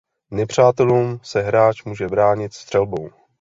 Nepřátelům se hráč může bránit střelbou.